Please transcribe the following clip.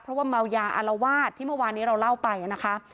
เพราะว่าเมายาอารวาสที่เมื่อวานนี้เราเล่าไปนะคะ